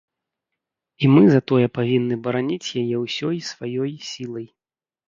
І мы затое павінны бараніць яе ўсёй сваёй сілай.